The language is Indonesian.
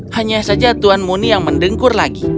hanya saja tuhan muni yang mendengkur lagi